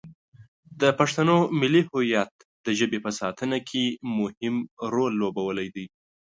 د پښتنو ملي هویت د ژبې په ساتنه کې مهم رول لوبولی دی.